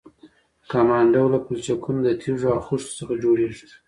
کمان ډوله پلچکونه د تیږو او خښتو څخه جوړیږي